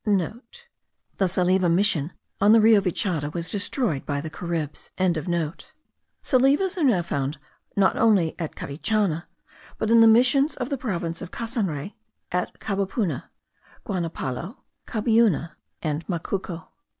(* The Salive mission, on the Rio Vichada, was destroyed by the Caribs.) Salives are now found not only at Carichana, but in the Missions of the province of Casanre, at Cabapuna, Guanapalo, Cabiuna, and Macuco.